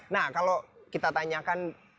nah kalau kita tanyakan challenge nya sebagai apa ya